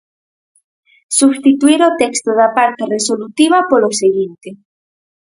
Substituír o texto da parte resolutiva polo seguinte: